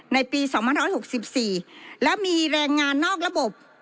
ในปีสองพันห้าร้อยหกสิบสี่และมีแรงงานนอกระบบ